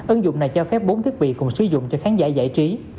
ứng dụng này cho phép bốn thiết bị cùng sử dụng cho khán giả giải trí